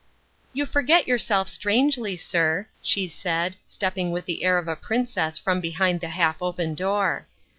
" You forget yourself strangely, sir," she said, stepping with the air of a princess from behind the half open door.